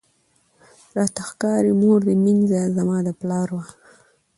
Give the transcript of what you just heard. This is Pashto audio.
راته ښکاری مور دي مینځه زما د پلار وه